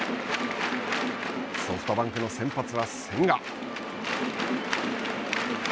ソフトバンクの先発は千賀。